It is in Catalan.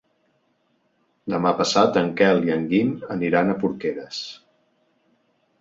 Demà passat en Quel i en Guim aniran a Porqueres.